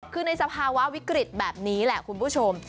คือในสภาวะวิกฤตแบบนี้แหละคุณผู้ชม